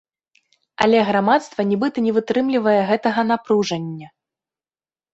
Але грамадства нібыта не вытрымлівае гэтага напружання.